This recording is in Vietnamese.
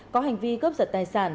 có hành vi cướp giật tài sản